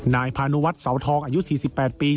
นายพานุวัฒนเสาทองอายุ๔๘ปี